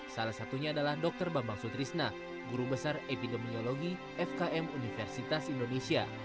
salah satunya adalah dr bambang sutrisna guru besar epidemiologi fkm universitas indonesia